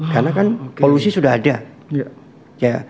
karena kan polusi sudah ada